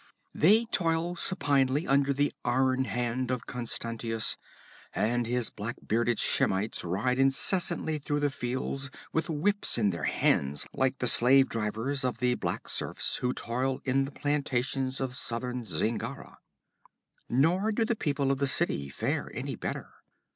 'They toil supinely under the iron hand of Constantius, and his black bearded Shemites ride incessantly through the fields, with whips in their hands, like the slave drivers of the black serfs who toil in the plantations of southern Zingara. 'Nor do the people of the city fare any better.